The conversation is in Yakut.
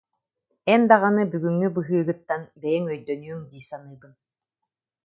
Эн даҕаны, бүгүҥҥү быһыыгыттан бэйэҥ өйдөнүөҥ дии саныыбын